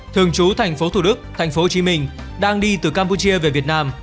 thường trú thành phố thủ đức thành phố hồ chí minh đang đi từ campuchia về việt nam